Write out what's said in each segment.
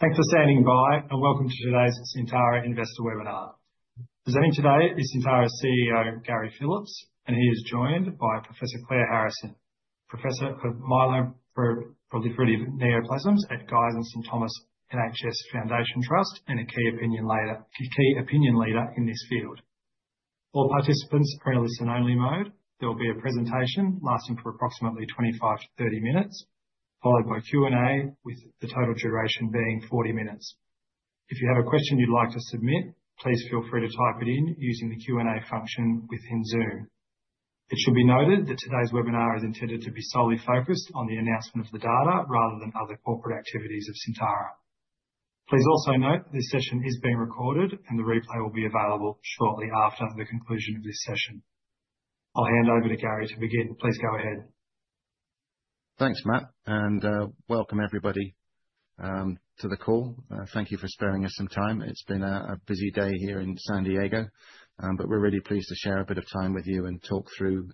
Thanks for standing by, and welcome to today's Syntara Investor Webinar. Presenting today is Syntara CEO Gary Phillips, and he is joined by Professor Claire Harrison, Professor of Myeloproliferative Neoplasms at Guy's and St Thomas' NHS Foundation Trust and a key opinion leader in this field. All participants are in a listen-only mode. There will be a presentation lasting for approximately 25 to 30 minutes, followed by Q&A, with the total duration being 40 minutes. If you have a question you'd like to submit, please feel free to type it in using the Q&A function within Zoom. It should be noted that today's webinar is intended to be solely focused on the announcement of the data rather than other corporate activities of Syntara. Please also note this session is being recorded, and the replay will be available shortly after the conclusion of this session. I'll hand over to Gary to begin. Please go ahead. Thanks, Matt, and welcome everybody to the call. Thank you for sparing us some time. It's been a busy day here in San Diego, but we're really pleased to share a bit of time with you and talk through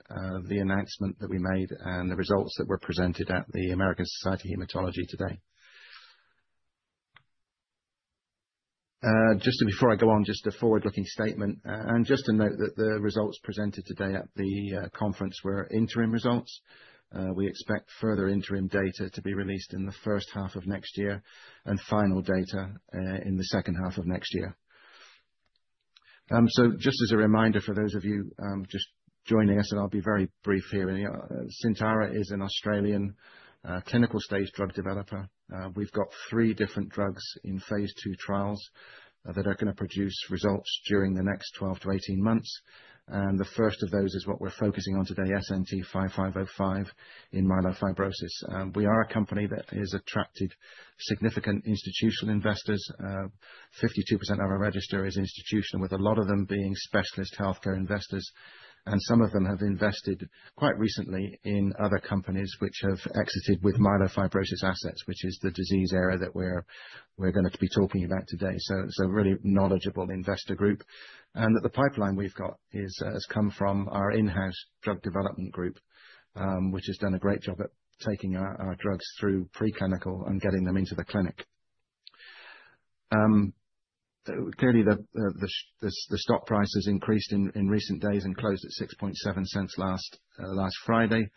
the announcement that we made and the results that were presented at the American Society of Hematology today. Just before I go on, just a forward-looking statement and just to note that the results presented today at the conference were interim results. We expect further interim data to be released in the first half of next year and final data in the second half of next year. So just as a reminder for those of you just joining us, and I'll be very brief here, Syntara is an Australian clinical stage drug developer. We've got three different drugs in phase 2 trials that are going to produce results during the next 12 to 18 months. And the first of those is what we're focusing on today, SNT5505, in myelofibrosis. We are a company that has attracted significant institutional investors. 52% of our register is institutional, with a lot of them being specialist healthcare investors. And some of them have invested quite recently in other companies which have exited with myelofibrosis assets, which is the disease area that we're going to be talking about today. So a really knowledgeable investor group. And the pipeline we've got has come from our in-house drug development group, which has done a great job at taking our drugs through pre-clinical and getting them into the clinic. Clearly, the stock price has increased in recent days and closed at $0.067 last Friday,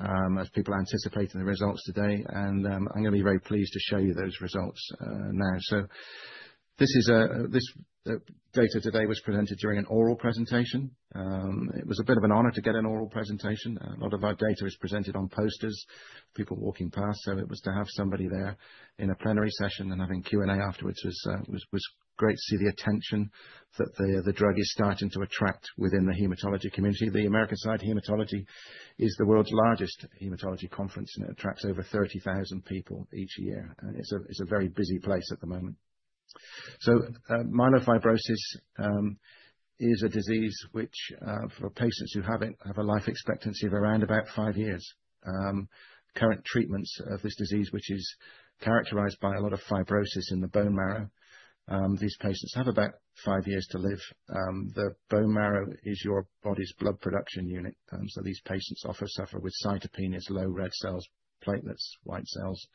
as people are anticipating the results today, and I'm going to be very pleased to show you those results now, so this data today was presented during an oral presentation. It was a bit of an honor to get an oral presentation, a lot of our data is presented on posters, people walking past, so it was to have somebody there in a plenary session and having Q&A afterwards was great to see the attention that the drug is starting to attract within the hematology community. The American Society of Hematology is the world's largest hematology conference, and it attracts over 30,000 people each year, and it's a very busy place at the moment, so myelofibrosis is a disease which, for patients who have it, has a life expectancy of around about five years. Current treatments of this disease, which is characterized by a lot of fibrosis in the bone marrow. These patients have about five years to live. The bone marrow is your body's blood production unit. So these patients often suffer with cytopenias, low red cells, platelets, white cells.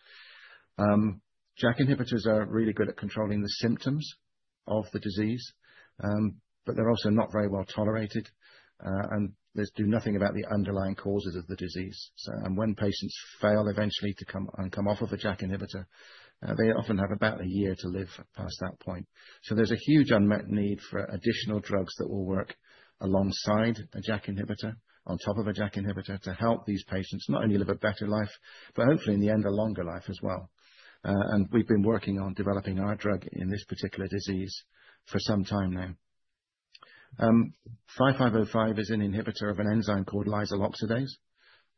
JAK inhibitors are really good at controlling the symptoms of the disease, but they're also not very well tolerated. And they do nothing about the underlying causes of the disease. And when patients fail eventually to come off of a JAK inhibitor, they often have about a year to live past that point. So there's a huge unmet need for additional drugs that will work alongside a JAK inhibitor, on top of a JAK inhibitor, to help these patients not only live a better life, but hopefully in the end, a longer life as well. We've been working on developing our drug in this particular disease for some time now. 5505 is an inhibitor of an enzyme called lysyl oxidase.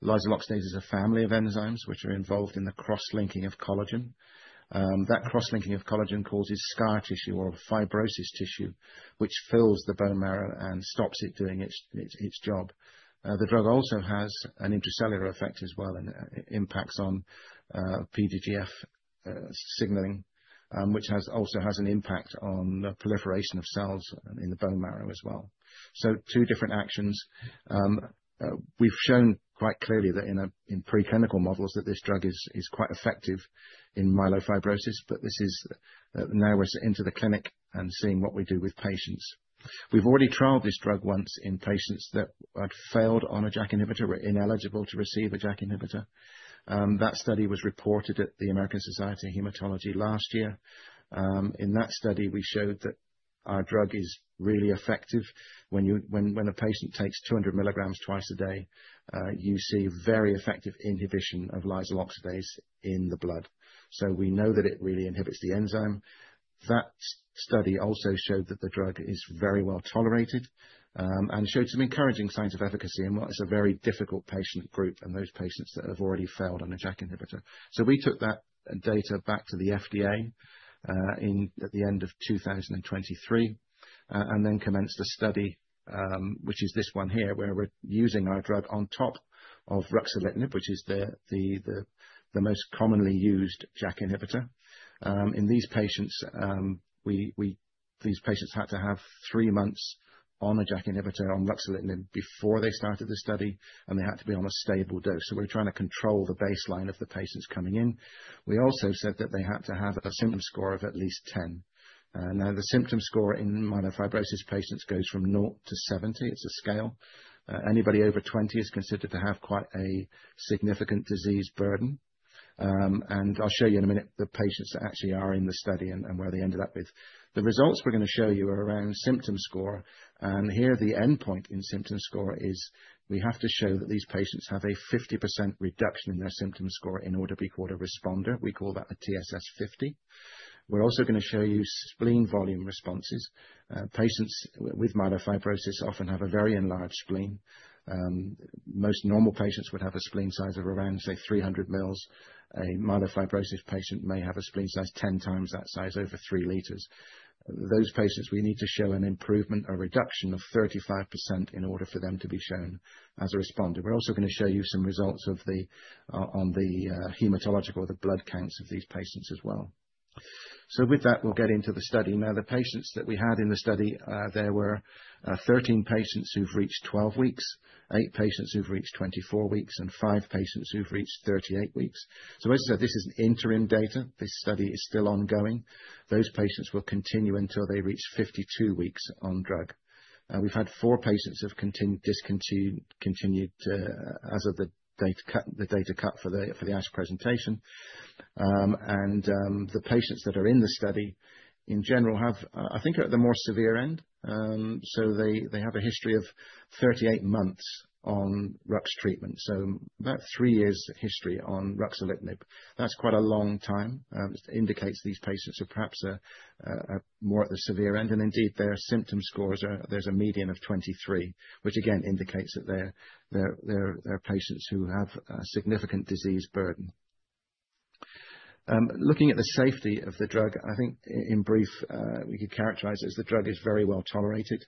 Lysyl oxidase is a family of enzymes which are involved in the cross-linking of collagen. That cross-linking of collagen causes scar tissue or fibrosis tissue, which fills the bone marrow and stops it doing its job. The drug also has an intracellular effect as well and impacts on PDGF signaling, which also has an impact on the proliferation of cells in the bone marrow as well. So two different actions. We've shown quite clearly that in pre-clinical models that this drug is quite effective in myelofibrosis, but this is now. We're into the clinic and seeing what we do with patients. We've already trialed this drug once in patients that had failed on a JAK inhibitor, were ineligible to receive a JAK inhibitor. That study was reported at the American Society of Hematology last year. In that study, we showed that our drug is really effective. When a patient takes 200 milligrams twice a day, you see very effective inhibition of lysyl oxidase in the blood. So we know that it really inhibits the enzyme. That study also showed that the drug is very well tolerated and showed some encouraging signs of efficacy in what is a very difficult patient group and those patients that have already failed on a JAK inhibitor. So we took that data back to the FDA at the end of 2023 and then commenced a study, which is this one here, where we're using our drug on top of ruxolitinib, which is the most commonly used JAK inhibitor. In these patients, they had to have three months on a JAK inhibitor on ruxolitinib before they started the study, and they had to be on a stable dose, so we're trying to control the baseline of the patients coming in. We also said that they had to have a symptom score of at least 10. Now, the symptom score in myelofibrosis patients goes from 0 to 70. It's a scale. Anybody over 20 is considered to have quite a significant disease burden, and I'll show you in a minute the patients that actually are in the study and where they ended up with. The results we're going to show you are around symptom score, and here, the endpoint in symptom score is we have to show that these patients have a 50% reduction in their symptom score in order to be called a responder. We call that a TSS 50. We're also going to show you spleen volume responses. Patients with myelofibrosis often have a very enlarged spleen. Most normal patients would have a spleen size of around, say, 300 mL. A myelofibrosis patient may have a spleen size ten times that size over three liters. Those patients, we need to show an improvement or reduction of 35% in order for them to be shown as a responder. We're also going to show you some results on the hematologic or the blood counts of these patients as well. So with that, we'll get into the study. Now, the patients that we had in the study, there were 13 patients who've reached 12 weeks, eight patients who've reached 24 weeks, and five patients who've reached 38 weeks. So as I said, this is interim data. This study is still ongoing. Those patients will continue until they reach 52 weeks on drug. We've had four patients have discontinued as of the data cut for the ASH presentation. The patients that are in the study, in general, I think are at the more severe end. They have a history of 38 months on RUX treatment, so about three years history on ruxolitinib. That's quite a long time. It indicates these patients are perhaps more at the severe end. Indeed, their symptom scores, there's a median of 23, which again indicates that they're patients who have a significant disease burden. Looking at the safety of the drug, I think in brief, we could characterize it as the drug is very well tolerated.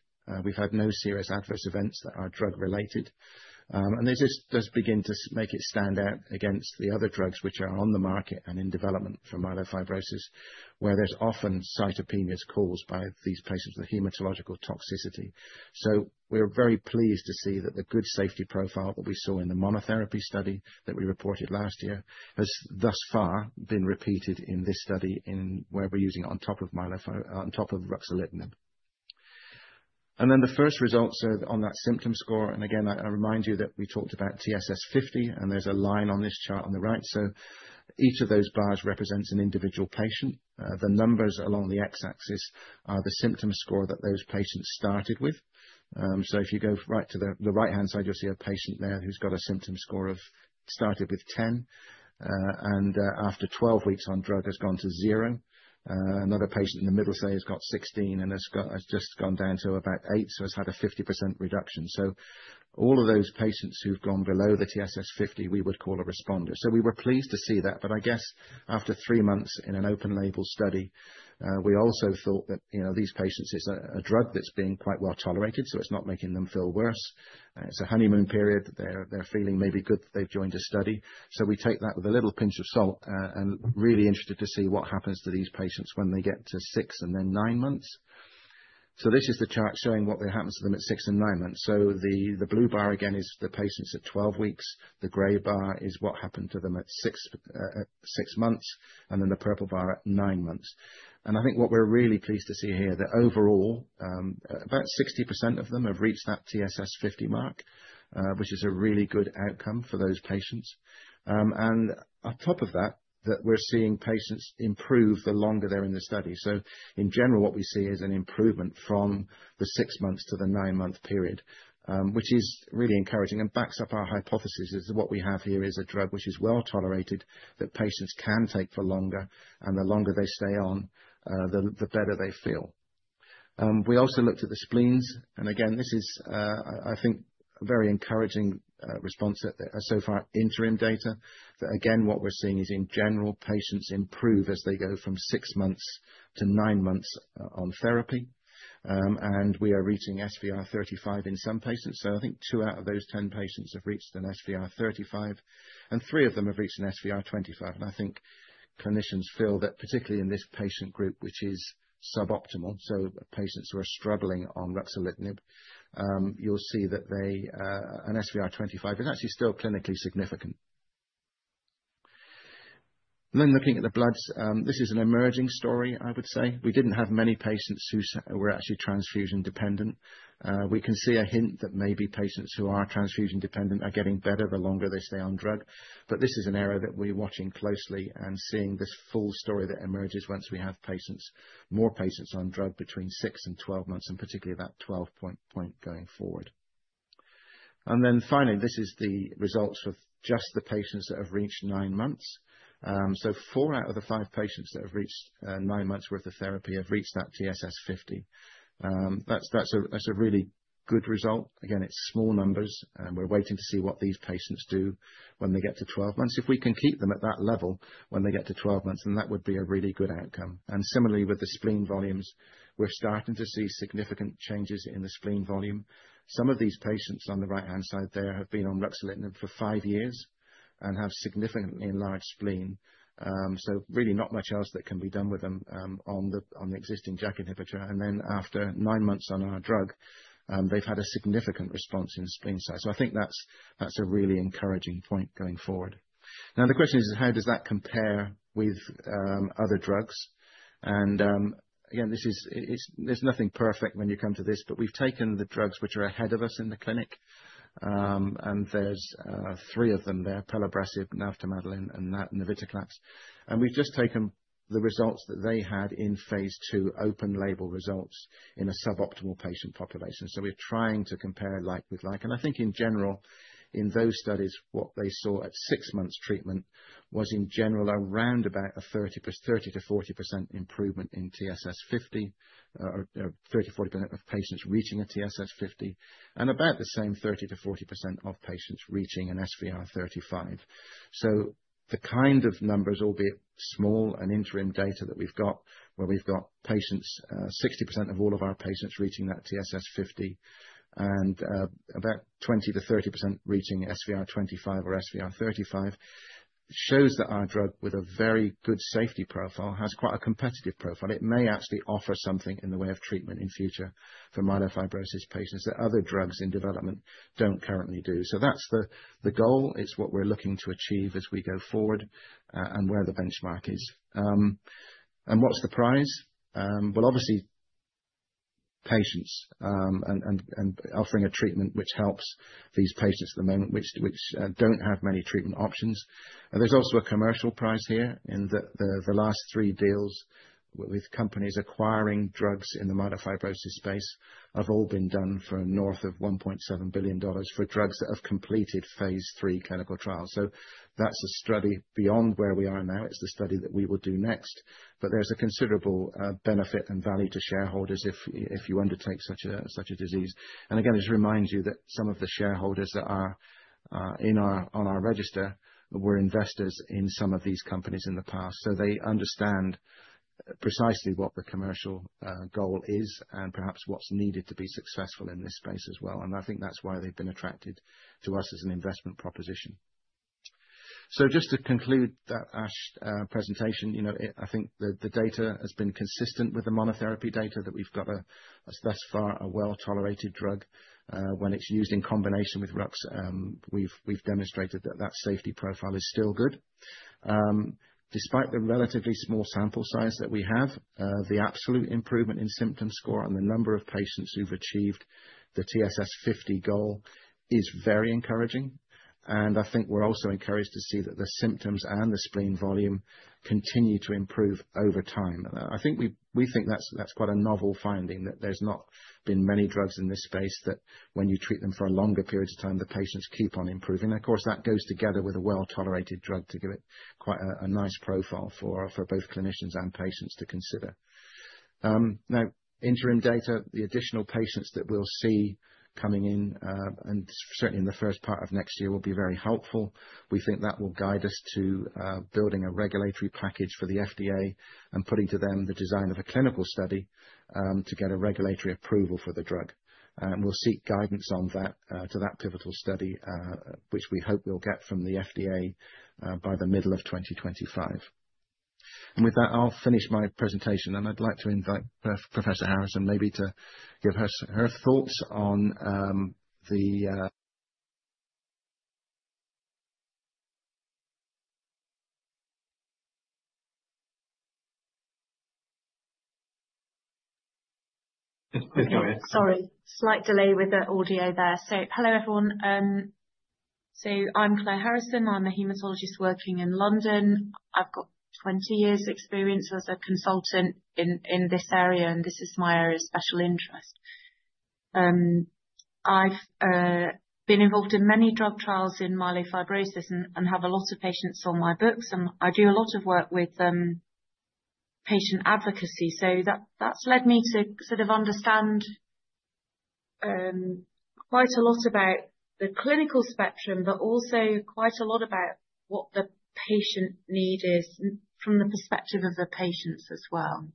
We've had no serious adverse events that are drug-related. This does begin to make it stand out against the other drugs which are on the market and in development for myelofibrosis, where there's often cytopenias caused by these patients, the hematological toxicity. We're very pleased to see that the good safety profile that we saw in the monotherapy study that we reported last year has thus far been repeated in this study where we're using it on top of ruxolitinib. Then the first results on that symptom score, and again, I remind you that we talked about TSS 50, and there's a line on this chart on the right. Each of those bars represents an individual patient. The numbers along the x-axis are the symptom score that those patients started with. So if you go right to the right-hand side, you'll see a patient there who's got a symptom score of started with 10, and after 12 weeks on drug, has gone to 0. Another patient in the middle, say, has got 16 and has just gone down to about 8, so has had a 50% reduction. So all of those patients who've gone below the TSS 50, we would call a responder. So we were pleased to see that. But I guess after three months in an open-label study, we also thought that these patients, it's a drug that's being quite well tolerated, so it's not making them feel worse. It's a honeymoon period. They're feeling maybe good that they've joined a study. We take that with a little pinch of salt and really interested to see what happens to these patients when they get to six and then nine months. This is the chart showing what happens to them at six and nine months. The blue bar, again, is the patients at 12 weeks. The gray bar is what happened to them at six months, and then the purple bar at nine months. I think what we're really pleased to see here, that overall, about 60% of them have reached that TSS50 mark, which is a really good outcome for those patients. On top of that, that we're seeing patients improve the longer they're in the study. In general, what we see is an improvement from the six months to the nine-month period, which is really encouraging and backs up our hypothesis as to what we have here is a drug which is well tolerated that patients can take for longer, and the longer they stay on, the better they feel. We also looked at the spleens. Again, this is, I think, a very encouraging response so far, interim data. Again, what we're seeing is, in general, patients improve as they go from six months to nine months on therapy. We are reaching SVR 35 in some patients. I think two out of those 10 patients have reached an SVR 35, and three of them have reached an SVR 25. I think clinicians feel that particularly in this patient group, which is suboptimal, so patients who are struggling on ruxolitinib, you'll see that an SVR 25 is actually still clinically significant. Looking at the bloods, this is an emerging story, I would say. We didn't have many patients who were actually transfusion dependent. We can see a hint that maybe patients who are transfusion dependent are getting better the longer they stay on drug. But this is an area that we're watching closely and seeing this full story that emerges once we have more patients on drug between 6 and 12 months and particularly about 12 months going forward. Finally, this is the results for just the patients that have reached nine months. So four out of the five patients that have reached nine months' worth of therapy have reached that TSS 50. That's a really good result. Again, it's small numbers. We're waiting to see what these patients do when they get to 12 months. If we can keep them at that level when they get to 12 months, then that would be a really good outcome. And similarly, with the spleen volumes, we're starting to see significant changes in the spleen volume. Some of these patients on the right-hand side there have been on ruxolitinib for five years and have significantly enlarged spleen. So really not much else that can be done with them on the existing JAK inhibitor. And then after nine months on our drug, they've had a significant response in the spleen side. So I think that's a really encouraging point going forward. Now, the question is, how does that compare with other drugs? And again, there's nothing perfect when you come to this, but we've taken the drugs which are ahead of us in the clinic. And there's three of them there: pelabresib, navtemadlin, and that, navitoclax. And we've just taken the results that they had in phase 2, open-label results in a suboptimal patient population. So we're trying to compare like with like. And I think in general, in those studies, what they saw at six months' treatment was, in general, around about a 30%-40% improvement in TSS50, 30%-40% of patients reaching a TSS50, and about the same 30%-40% of patients reaching an SVR35. So the kind of numbers, albeit small and interim data that we've got, where we've got patients, 60% of all of our patients reaching that TSS 50 and about 20%-30% reaching SVR 25 or SVR 35, shows that our drug, with a very good safety profile, has quite a competitive profile. It may actually offer something in the way of treatment in future for myelofibrosis patients that other drugs in development don't currently do. So that's the goal. It's what we're looking to achieve as we go forward and where the benchmark is. And what's the prize? Well, obviously, patients and offering a treatment which helps these patients at the moment, which don't have many treatment options. There's also a commercial prize here in the last three deals with companies acquiring drugs in the myelofibrosis space have all been done for north of $1.7 billion for drugs that have completed phase 3 clinical trials, so that's a study beyond where we are now, it's the study that we will do next, but there's a considerable benefit and value to shareholders if you undertake such a disease, and again, just remind you that some of the shareholders that are on our register were investors in some of these companies in the past, so they understand precisely what the commercial goal is and perhaps what's needed to be successful in this space as well, and I think that's why they've been attracted to us as an investment proposition. So just to conclude that ASH presentation, I think the data has been consistent with the monotherapy data that we've got thus far, a well-tolerated drug. When it's used in combination with RUX, we've demonstrated that that safety profile is still good. Despite the relatively small sample size that we have, the absolute improvement in symptom score and the number of patients who've achieved the TSS 50 goal is very encouraging. And I think we're also encouraged to see that the symptoms and the spleen volume continue to improve over time. I think we think that's quite a novel finding that there's not been many drugs in this space that when you treat them for a longer period of time, the patients keep on improving. Of course, that goes together with a well-tolerated drug to give it quite a nice profile for both clinicians and patients to consider. Now, interim data, the additional patients that we'll see coming in, and certainly in the first part of next year, will be very helpful. We think that will guide us to building a regulatory package for the FDA and putting to them the design of a clinical study to get a regulatory approval for the drug, and we'll seek guidance on that to that pivotal study, which we hope we'll get from the FDA by the middle of 2025, and with that, I'll finish my presentation, and I'd like to invite Professor Harrison maybe to give her thoughts on the. Sorry, slight delay with the audio there, so hello, everyone, so I'm Claire Harrison. I'm a hematologist working in London. I've got 20 years' experience as a consultant in this area, and this is my area of special interest. I've been involved in many drug trials in myelofibrosis and have a lot of patients on my books, and I do a lot of work with patient advocacy, so that's led me to sort of understand quite a lot about the clinical spectrum, but also quite a lot about what the patient need is from the perspective of the patients as well,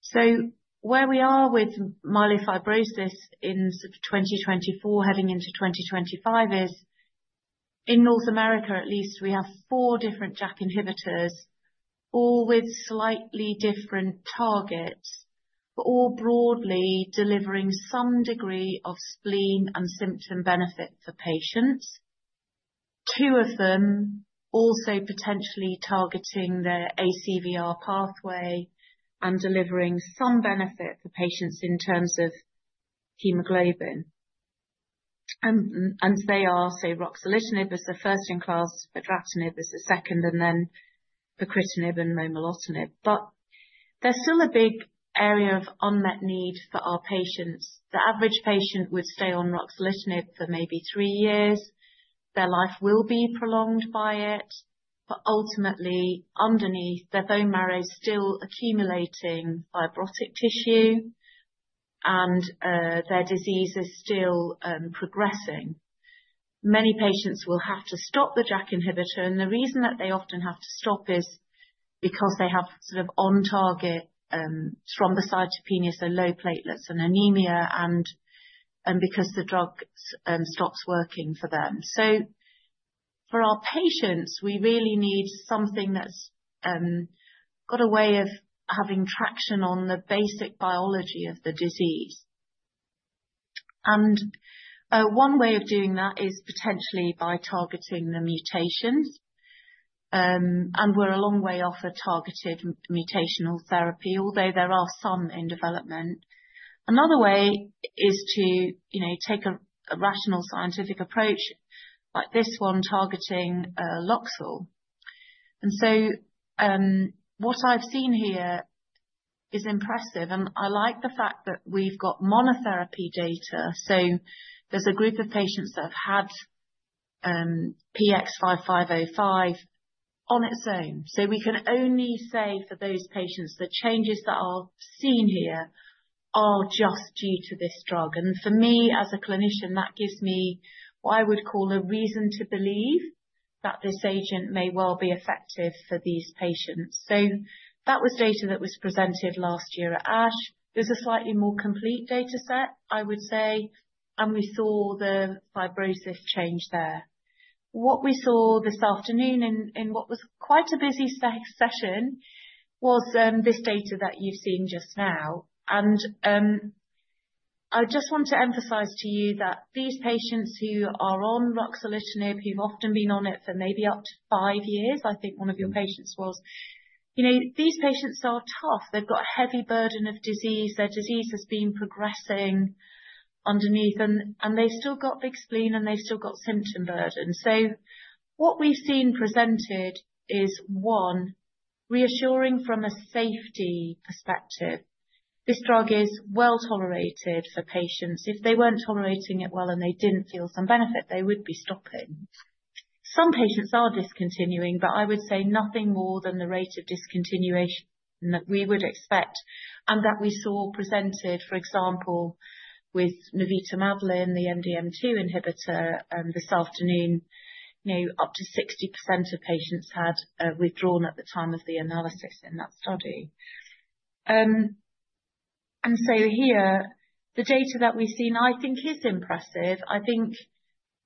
so where we are with myelofibrosis in sort of 2024, heading into 2025, is in North America at least, we have four different JAK inhibitors, all with slightly different targets, but all broadly delivering some degree of spleen and symptom benefit for patients. Two of them also potentially targeting the ACVR pathway and delivering some benefit for patients in terms of hemoglobin, and they are, so ruxolitinib is the first in class, fedratinib is the second, and then pacritinib and momelotinib. But there's still a big area of unmet need for our patients. The average patient would stay on ruxolitinib for maybe three years. Their life will be prolonged by it. But ultimately, underneath, their bone marrow is still accumulating fibrotic tissue, and their disease is still progressing. Many patients will have to stop the JAK inhibitor. And the reason that they often have to stop is because they have sort of on-target thrombocytopenias, so low platelets, and anemia, and because the drug stops working for them. So for our patients, we really need something that's got a way of having traction on the basic biology of the disease. And one way of doing that is potentially by targeting the mutations. And we're a long way off a targeted mutational therapy, although there are some in development. Another way is to take a rational scientific approach like this one, targeting LOX. And so what I've seen here is impressive. And I like the fact that we've got monotherapy data. So there's a group of patients that have had PX-5505 on its own. So we can only say for those patients, the changes that are seen here are just due to this drug. And for me, as a clinician, that gives me what I would call a reason to believe that this agent may well be effective for these patients. So that was data that was presented last year at ASH. It was a slightly more complete data set, I would say, and we saw the fibrosis change there. What we saw this afternoon in what was quite a busy session was this data that you've seen just now. And I just want to emphasize to you that these patients who are on ruxolitinib, who've often been on it for maybe up to five years, I think one of your patients was, these patients are tough. They've got a heavy burden of disease. Their disease has been progressing underneath, and they've still got big spleen, and they've still got symptom burden. So what we've seen presented is, one, reassuring from a safety perspective. This drug is well tolerated for patients. If they weren't tolerating it well and they didn't feel some benefit, they would be stopping. Some patients are discontinuing, but I would say nothing more than the rate of discontinuation that we would expect and that we saw presented, for example, with navtemadlin, the MDM2 inhibitor, this afternoon, up to 60% of patients had withdrawn at the time of the analysis in that study. And so here, the data that we've seen, I think, is impressive. I think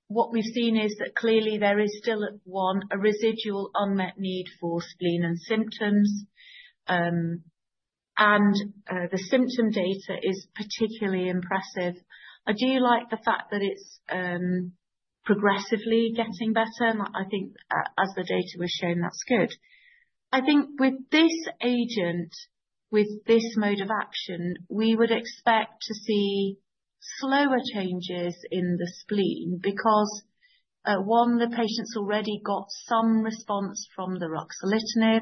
what we've seen is that clearly there is still, one, a residual unmet need for spleen and symptoms. And the symptom data is particularly impressive. I do like the fact that it's progressively getting better. And I think as the data was shown, that's good. I think with this agent, with this mode of action, we would expect to see slower changes in the spleen because, one, the patients already got some response from the ruxolitinib.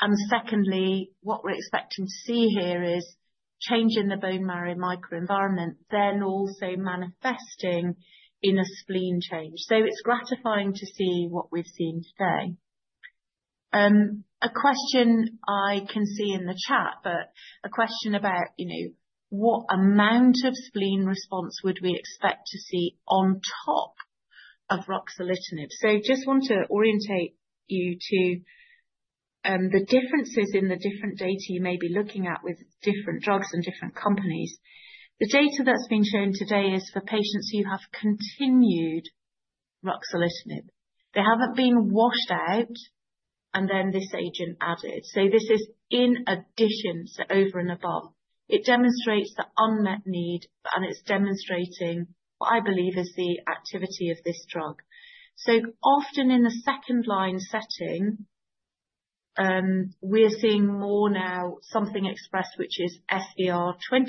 And secondly, what we're expecting to see here is change in the bone marrow microenvironment, then also manifesting in a spleen change. So it's gratifying to see what we've seen today. A question I can see in the chat, but about what amount of spleen response would we expect to see on top of ruxolitinib. So just want to orientate you to the differences in the different data you may be looking at with different drugs and different companies. The data that's been shown today is for patients who have continued ruxolitinib. They haven't been washed out, and then this agent added. So this is in addition, so over and above. It demonstrates the unmet need, and it's demonstrating what I believe is the activity of this drug. So often in the second-line setting, we're seeing more now something expressed, which is SVR 25%.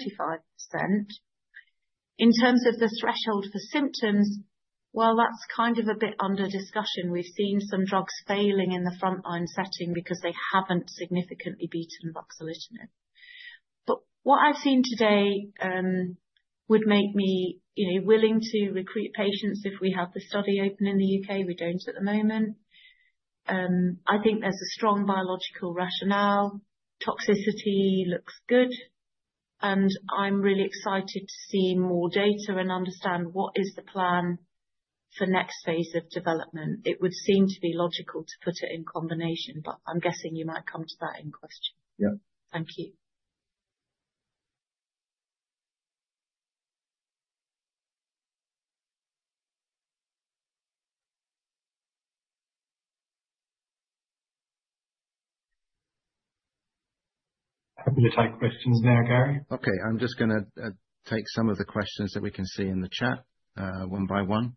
In terms of the threshold for symptoms, well, that's kind of a bit under discussion. We've seen some drugs failing in the front-line setting because they haven't significantly beaten ruxolitinib. But what I've seen today would make me willing to recruit patients if we have the study open in the U.K. We don't at the moment. I think there's a strong biological rationale. Toxicity looks good. And I'm really excited to see more data and understand what is the plan for next phase of development. It would seem to be logical to put it in combination, but I'm guessing you might come to that in question. Yep. Thank you. Happy to take questions now, Gary. Okay. I'm just going to take some of the questions that we can see in the chat one by one.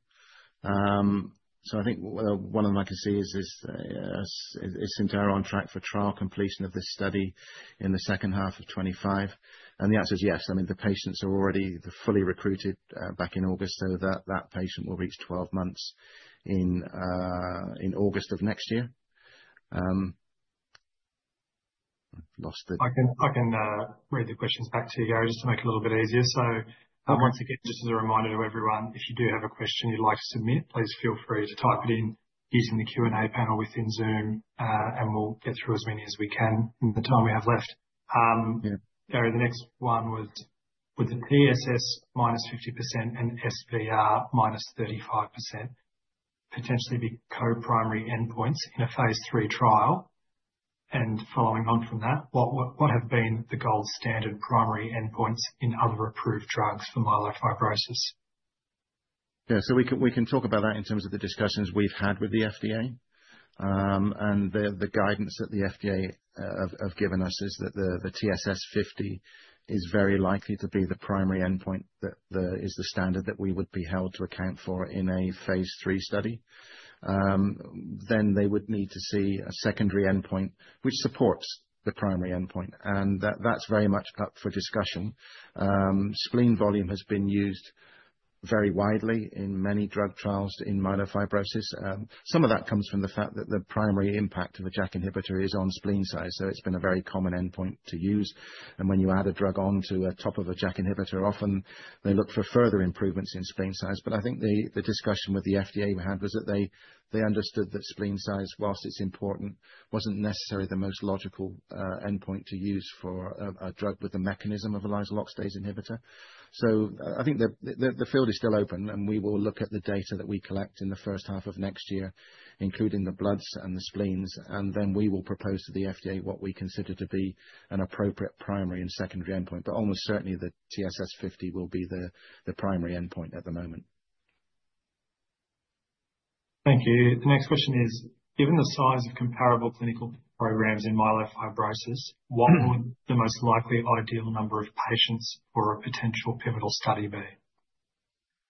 So I think one of them I can see is, is Syntara on track for trial completion of this study in the second half of 2025? And the answer is yes. I mean, the patients are already fully recruited back in August, so that patient will reach 12 months in August of next year. I've lost the. I can read the questions back to you, Gary, just to make it a little bit easier. So once again, just as a reminder to everyone, if you do have a question you'd like to submit, please feel free to type it in using the Q&A panel within Zoom, and we'll get through as many as we can in the time we have left. Gary, the next one was, would the TSS minus 50% and SVR minus 35% potentially be co-primary endpoints in a phase three trial? And following on from that, what have been the gold standard primary endpoints in other approved drugs for myelofibrosis? Yeah. So we can talk about that in terms of the discussions we've had with the FDA. The guidance that the FDA have given us is that the TSS 50 is very likely to be the primary endpoint that is the standard that we would be held to account for in a phase three study. They would need to see a secondary endpoint which supports the primary endpoint. That's very much up for discussion. Spleen volume has been used very widely in many drug trials in myelofibrosis. Some of that comes from the fact that the primary impact of a JAK inhibitor is on spleen size. It's been a very common endpoint to use. When you add a drug on top of a JAK inhibitor, often they look for further improvements in spleen size. But I think the discussion with the FDA we had was that they understood that spleen size, while it's important, wasn't necessarily the most logical endpoint to use for a drug with the mechanism of a lysyl oxidase inhibitor. So I think the field is still open, and we will look at the data that we collect in the first half of next year, including the bloods and the spleens. And then we will propose to the FDA what we consider to be an appropriate primary and secondary endpoint. But almost certainly, the TSS 50 will be the primary endpoint at the moment. Thank you. The next question is, given the size of comparable clinical programs in myelofibrosis, what would the most likely ideal number of patients for a potential pivotal study be?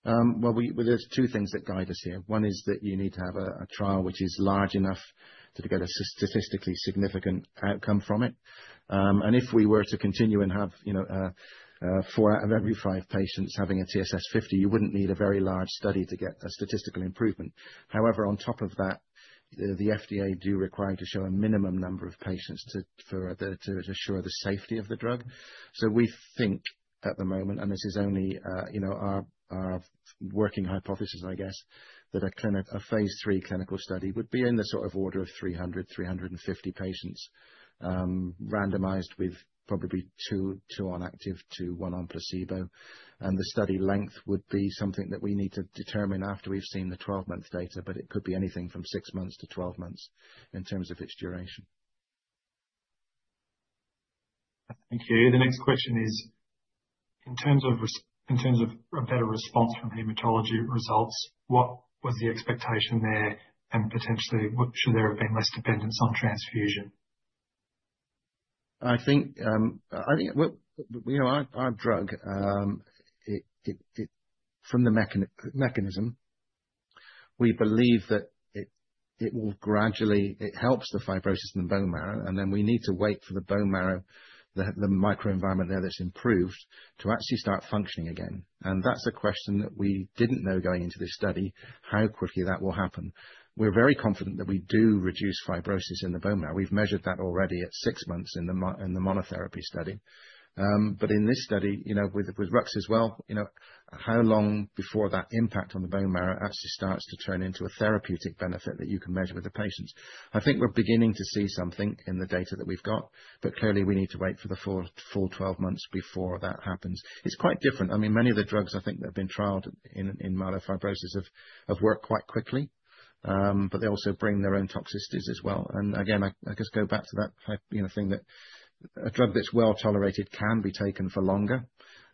Well, there's two things that guide us here. One is that you need to have a trial which is large enough to get a statistically significant outcome from it. And if we were to continue and have four out of every five patients having a TSS 50, you wouldn't need a very large study to get a statistical improvement. However, on top of that, the FDA do require to show a minimum number of patients to assure the safety of the drug. So we think at the moment, and this is only our working hypothesis, I guess, that a phase three clinical study would be in the sort of order of 300-350 patients randomized with probably two on active to one on placebo. And the study length would be something that we need to determine after we've seen the 12-month data, but it could be anything from six months to 12 months in terms of its duration. Thank you. The next question is, in terms of a better response from hematology results, what was the expectation there? And potentially, should there have been less dependence on transfusion? I think our drug, from the mechanism, we believe that it will gradually help the fibrosis in the bone marrow. And then we need to wait for the bone marrow, the microenvironment there that's improved, to actually start functioning again. And that's a question that we didn't know going into this study, how quickly that will happen. We're very confident that we do reduce fibrosis in the bone marrow. We've measured that already at six months in the monotherapy study. But in this study, with rux as well, how long before that impact on the bone marrow actually starts to turn into a therapeutic benefit that you can measure with the patients? I think we're beginning to see something in the data that we've got, but clearly, we need to wait for the full 12 months before that happens. It's quite different. I mean, many of the drugs I think that have been trialed in myelofibrosis have worked quite quickly, but they also bring their own toxicities as well. And again, I guess go back to that thing that a drug that's well tolerated can be taken for longer.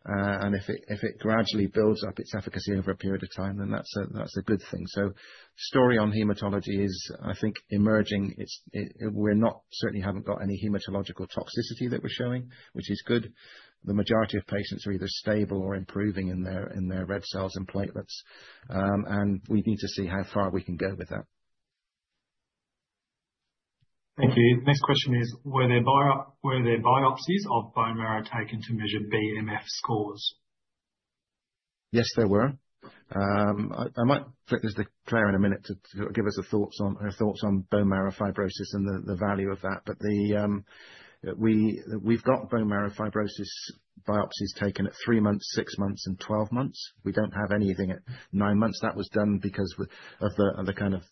And if it gradually builds up its efficacy over a period of time, then that's a good thing. So story on hematology is, I think, emerging. We certainly haven't got any hematological toxicity that we're showing, which is good. The majority of patients are either stable or improving in their red cells and platelets. And we need to see how far we can go with that. Thank you. The next question is, were there biopsies of bone marrow taken to measure BMF scores? Yes, there were. I might talk to Claire in a minute to give us her thoughts on bone marrow fibrosis and the value of that. But we've got bone marrow fibrosis biopsies taken at three months, six months, and 12 months. We don't have anything at nine months. That was done because of the kind of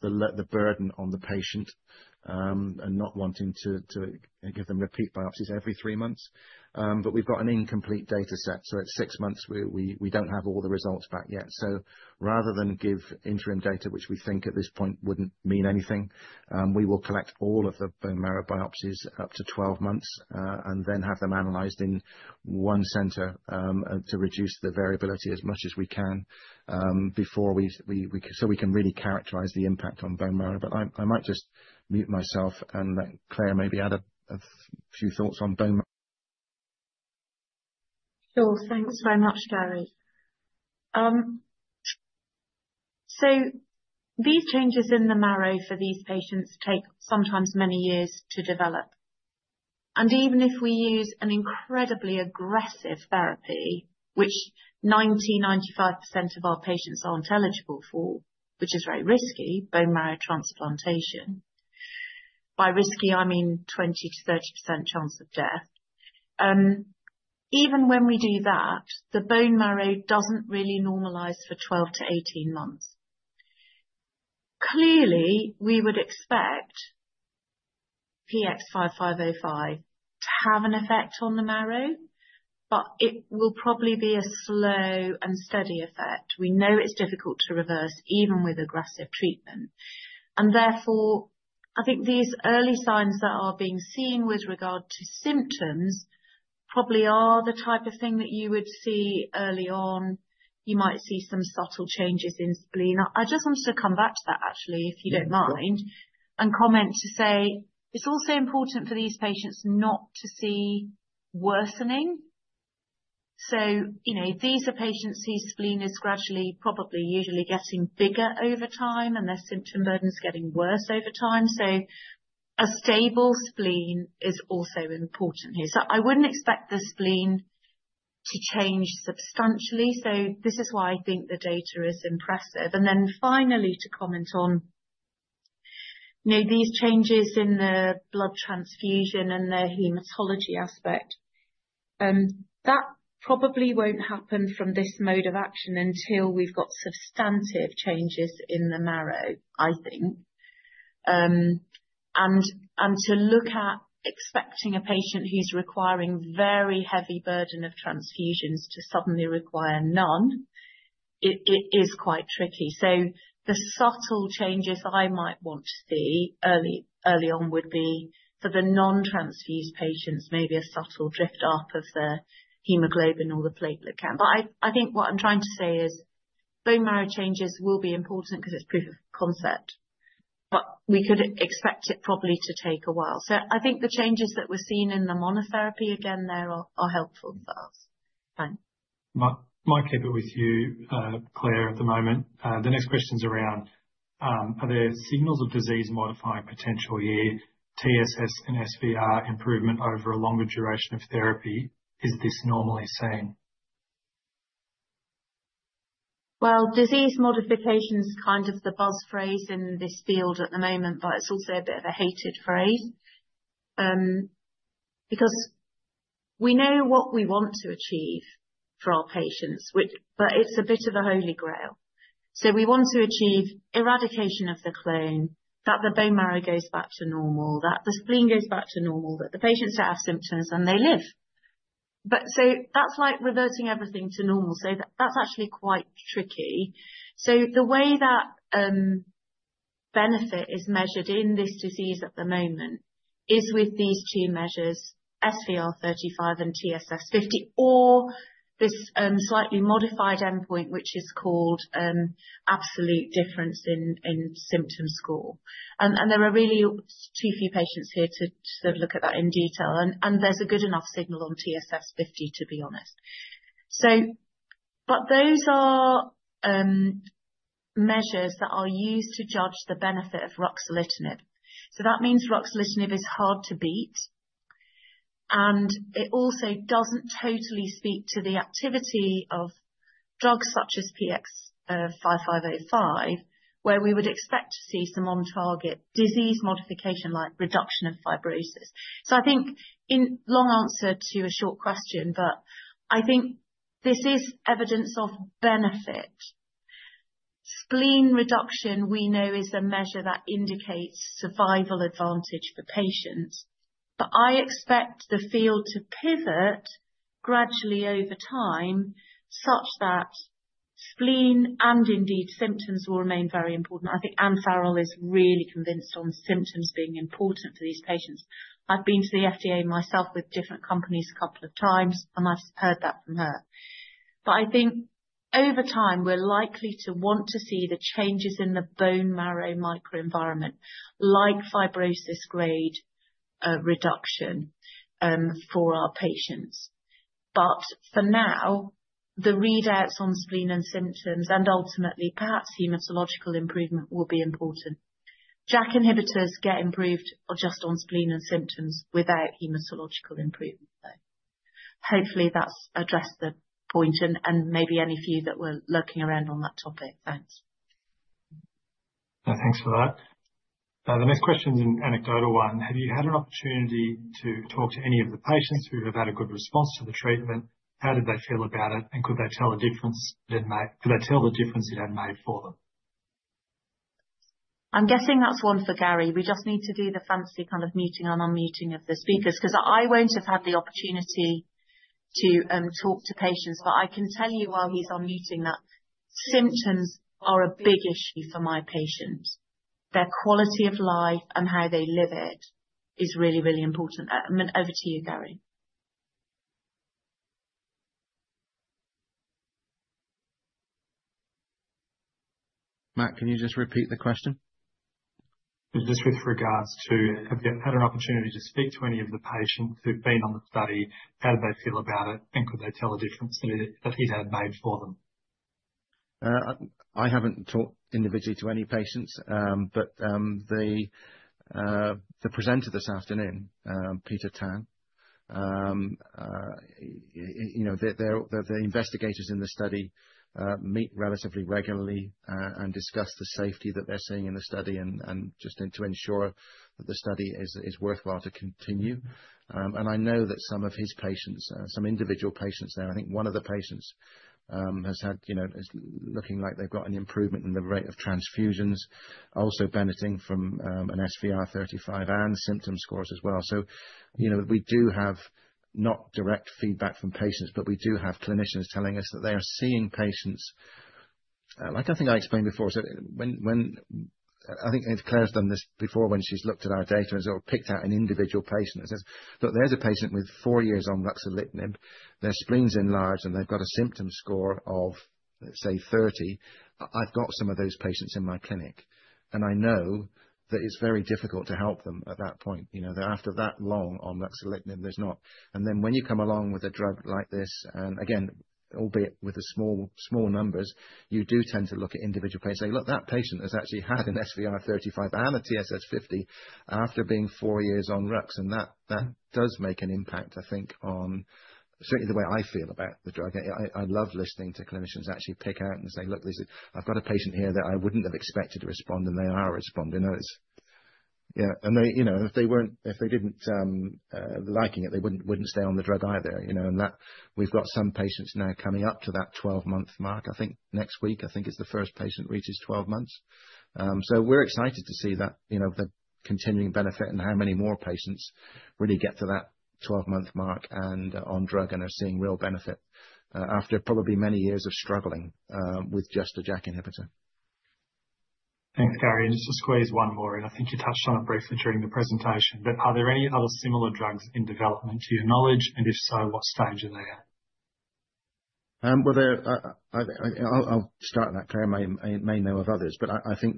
burden on the patient and not wanting to give them repeat biopsies every three months. But we've got an incomplete data set. So at six months, we don't have all the results back yet. Rather than give interim data, which we think at this point wouldn't mean anything, we will collect all of the bone marrow biopsies up to 12 months and then have them analyzed in one center to reduce the variability as much as we can before we can really characterize the impact on bone marrow. But I might just mute myself, and Claire maybe add a few thoughts on bone marrow. Sure. Thanks very much, Gary. These changes in the marrow for these patients take sometimes many years to develop. Even if we use an incredibly aggressive therapy, which 90%-95% of our patients aren't eligible for, which is very risky, bone marrow transplantation, by risky, I mean 20%-30% chance of death, even when we do that, the bone marrow doesn't really normalize for 12 to 18 months. Clearly, we would expect PX-5505 to have an effect on the marrow, but it will probably be a slow and steady effect. We know it's difficult to reverse even with aggressive treatment, and therefore, I think these early signs that are being seen with regard to symptoms probably are the type of thing that you would see early on. You might see some subtle changes in spleen. I just wanted to come back to that, actually, if you don't mind, and comment to say it's also important for these patients not to see worsening, so these are patients whose spleen is gradually, probably usually getting bigger over time, and their symptom burden's getting worse over time, so a stable spleen is also important here, so I wouldn't expect the spleen to change substantially, so this is why I think the data is impressive. Then finally, to comment on these changes in the blood transfusion and the hematology aspect, that probably won't happen from this mode of action until we've got substantive changes in the marrow, I think. To look at expecting a patient who's requiring very heavy burden of transfusions to suddenly require none, it is quite tricky. The subtle changes I might want to see early on would be, for the non-transfused patients, maybe a subtle drift up of the hemoglobin or the platelet count. But I think what I'm trying to say is bone marrow changes will be important because it's proof of concept, but we could expect it probably to take a while. The changes that we're seeing in the monotherapy, again, there are helpful for us. Thanks. Might keep it with you, Claire, at the moment. The next question's around, are there signals of disease-modifying potential here? TSS and SVR improvement over a longer duration of therapy. Is this normally seen? Well, disease modification is kind of the buzz phrase in this field at the moment, but it's also a bit of a hated phrase because we know what we want to achieve for our patients, but it's a bit of a holy grail. So we want to achieve eradication of the clone, that the bone marrow goes back to normal, that the spleen goes back to normal, that the patients don't have symptoms and they live. So that's like reverting everything to normal. So that's actually quite tricky. So the way that benefit is measured in this disease at the moment is with these two measures, SVR 35 and TSS 50, or this slightly modified endpoint, which is called absolute difference in symptom score. And there are really too few patients here to look at that in detail. And there's a good enough signal on TSS 50, to be honest. But those are measures that are used to judge the benefit of ruxolitinib. So that means ruxolitinib is hard to beat. And it also doesn't totally speak to the activity of drugs such as PX-5505, where we would expect to see some on-target disease modification like reduction of fibrosis. So I think in long answer to a short question, but I think this is evidence of benefit. Spleen reduction we know is a measure that indicates survival advantage for patients. But I expect the field to pivot gradually over time such that spleen and indeed symptoms will remain very important. I think Ann Farrell is really convinced on symptoms being important for these patients. I've been to the FDA myself with different companies a couple of times, and I've heard that from her. But I think over time, we're likely to want to see the changes in the bone marrow microenvironment, like fibrosis grade reduction for our patients. But for now, the readouts on spleen and symptoms and ultimately, perhaps hematological improvement will be important. JAK inhibitors get improved just on spleen and symptoms without hematological improvement, though. Hopefully, that's addressed the point and maybe any few that were lurking around on that topic. Thanks. Thanks for that. The next question's an anecdotal one. Have you had an opportunity to talk to any of the patients who have had a good response to the treatment? How did they feel about it? And could they tell a difference? Could they tell the difference it had made for them? I'm guessing that's one for Gary. We just need to do the fancy kind of muting and unmuting of the speakers because I won't have had the opportunity to talk to patients. But I can tell you while he's on muting that symptoms are a big issue for my patients. Their quality of life and how they live it is really, really important. Over to you, Gary. Matt, can you just repeat the question? Just with regards to, have you had an opportunity to speak to any of the patients who've been on the study? How did they feel about it? And could they tell a difference that he'd had made for them? I haven't talked individually to any patients, but the presenter this afternoon, Peter Tan, the investigators in the study meet relatively regularly and discuss the safety that they're seeing in the study and just to ensure that the study is worthwhile to continue. And I know that some of his patients, some individual patients there, I think one of the patients has had looking like they've got an improvement in the rate of transfusions, also benefiting from an SVR35 and symptom scores as well. So we do have not direct feedback from patients, but we do have clinicians telling us that they are seeing patients. Like I think I explained before, so when I think Claire's done this before when she's looked at our data and sort of picked out an individual patient and says, "Look, there's a patient with four years on ruxolitinib. Their spleen's enlarged and they've got a symptom score of, say, 30. I've got some of those patients in my clinic. And I know that it's very difficult to help them at that point. After that long on ruxolitinib, there's not." And then when you come along with a drug like this, and again, albeit with small numbers, you do tend to look at individual patients and say, "Look, that patient has actually had an SVR 35 and a TSS 50 after being four years on rux." And that does make an impact, I think, on certainly the way I feel about the drug. I love listening to clinicians actually pick out and say, "Look, I've got a patient here that I wouldn't have expected to respond, and they are responding." And if they didn't like it, they wouldn't stay on the drug either. And we've got some patients now coming up to that 12-month mark. I think next week, I think it's the first patient reaches 12 months. So we're excited to see that continuing benefit and how many more patients really get to that 12-month mark and on drug and are seeing real benefit after probably many years of struggling with just a JAK inhibitor. Thanks, Gary. And just to squeeze one more, and I think you touched on it briefly during the presentation, but are there any other similar drugs in development to your knowledge? And if so, what stage are they at? I'll start that, Claire. I may know of others, but I think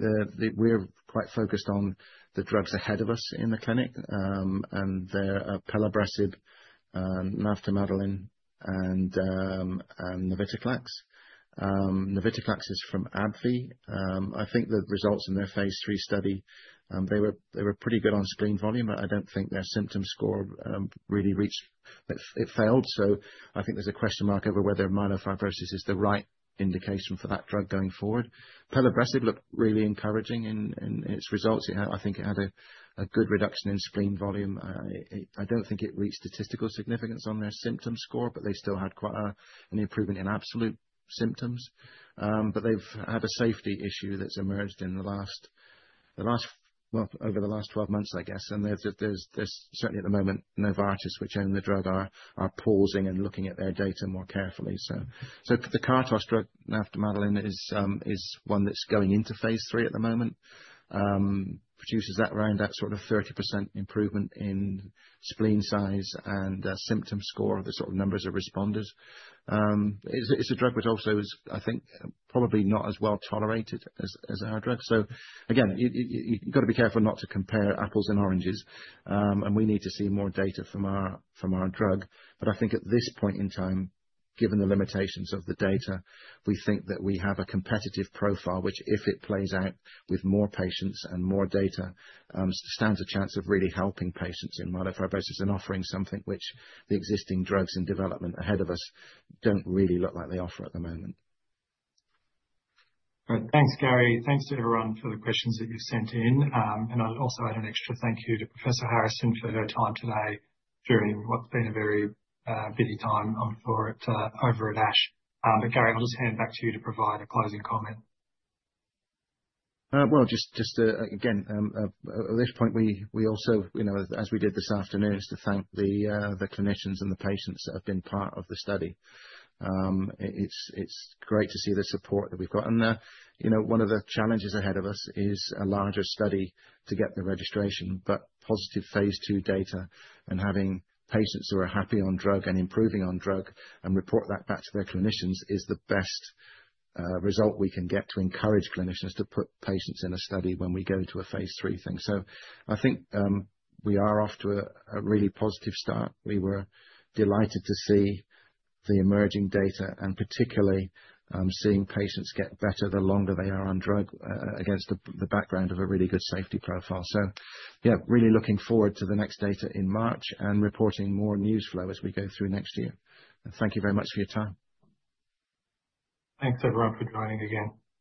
we're quite focused on the drugs ahead of us in the clinic. And they're pelabresib, navtemadlin, and navitoclax. Navitoclax is from AbbVie. I think the results in their phase three study, they were pretty good on spleen volume, but I don't think their symptom score really reached it. It failed. So I think there's a question mark over whether myelofibrosis is the right indication for that drug going forward. Pelabresib looked really encouraging in its results. I think it had a good reduction in spleen volume. I don't think it reached statistical significance on their symptom score, but they still had quite an improvement in absolute symptoms. But they've had a safety issue that's emerged in the last, well, over the last 12 months, I guess. And there's certainly at the moment Novartis, which own the drug, are pausing and looking at their data more carefully. So the Kartos drug, navtemadlin, is one that's going into phase 3 at the moment, produces around that sort of 30% improvement in spleen size and symptom score of the sort of numbers of responders. It's a drug which also is, I think, probably not as well tolerated as our drug. So again, you've got to be careful not to compare apples and oranges, and we need to see more data from our drug. But I think at this point in time, given the limitations of the data, we think that we have a competitive profile, which if it plays out with more patients and more data, stands a chance of really helping patients in myelofibrosis and offering something which the existing drugs in development ahead of us don't really look like they offer at the moment. Thanks, Gary. Thanks to everyone for the questions that you've sent in. And I'll also add an extra thank you to Professor Harrison for her time today during what's been a very busy time over at ASH. But Gary, I'll just hand back to you to provide a closing comment. Just again, at this point, we also, as we did this afternoon, is to thank the clinicians and the patients that have been part of the study. It's great to see the support that we've got. One of the challenges ahead of us is a larger study to get the registration. Positive phase two data and having patients who are happy on drug and improving on drug and report that back to their clinicians is the best result we can get to encourage clinicians to put patients in a study when we go to a phase three thing. I think we are off to a really positive start. We were delighted to see the emerging data and particularly seeing patients get better the longer they are on drug against the background of a really good safety profile. So yeah, really looking forward to the next data in March and reporting more news flow as we go through next year. Thank you very much for your time. Thanks, everyone, for joining again.